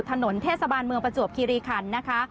ถนนเทศบาลเมืองประจวบคิริคันนะคะ